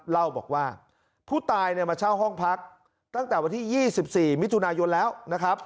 เล่าบอกว่าผู้ตายเนี่ยมาเช่าห้องพักตั้งแต่วันที่๒๔มิถุนายนแล้วนะครับ